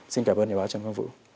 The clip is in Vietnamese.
xin cảm ơn nhà báo trần quang vũ